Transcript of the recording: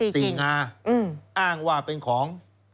สี่งาอ้างว่าเป็นของ